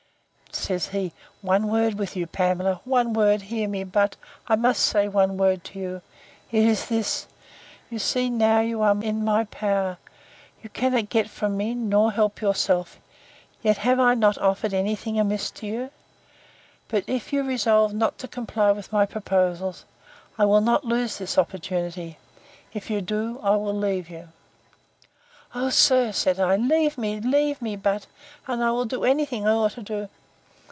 Says he, One word with you, Pamela; one word hear me but; I must say one word to you, it is this: You see now you are in my power!—You cannot get from me, nor help yourself: Yet have I not offered any thing amiss to you. But if you resolve not to comply with my proposals, I will not lose this opportunity: If you do, I will yet leave you. O sir, said I, leave me, leave me but, and I will do any thing I ought to do.